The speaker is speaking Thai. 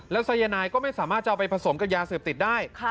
แล้วสายนายก็ไม่สามารถจะเอาไปผสมกับยาเสพติดได้